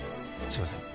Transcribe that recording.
すいません